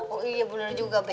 oh iya bener juga be